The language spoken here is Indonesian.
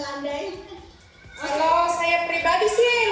kalau saya pribadi sih luar biasa ya kak